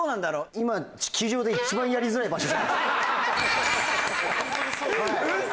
今地球上で一番やりづらい場所じゃないですか嘘！？